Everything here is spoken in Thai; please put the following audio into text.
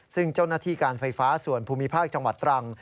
ซึ่งเจ้าหน้าที่การไฟฟ้าส่วนภูมิภาคจังหวัดตรัง